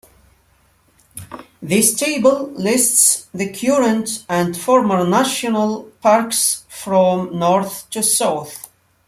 This table lists the current and former national parks from north to south.